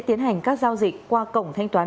tiến hành các giao dịch qua cổng thanh toán